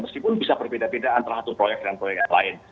meskipun bisa berbeda beda antara satu proyek dengan proyek yang lain